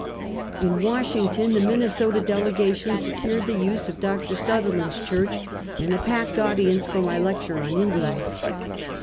In Washington, the Minnesota delegation secured the use of Dr. Sutherland's church, and a packed audi ence for my lecture on Indians.